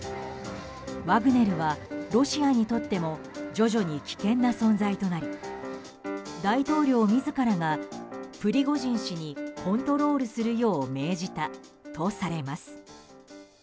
ワグネルはロシアにとっても徐々に危険な存在となり大統領自らが、プリゴジン氏にコントロールするよう命じたとされます。